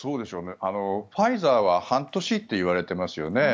ファイザーは半年といわれていますよね。